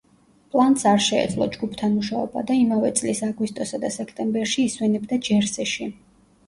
პლანტს არ შეეძლო ჯგუფთან მუშაობა და იმავე წლის აგვისტოსა და სექტემბერში ისვენებდა ჯერსიში.